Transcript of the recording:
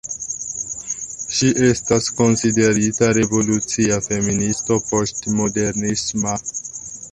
Ŝi estas konsiderita revolucia feministo poŝtmodernisma.